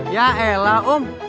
ya allah om